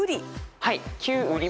はい。